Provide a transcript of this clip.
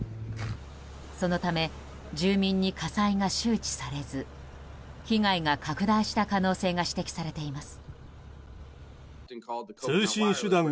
そのため住民に火災が周知されず被害が拡大した可能性が指摘されています。